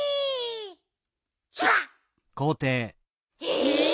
え！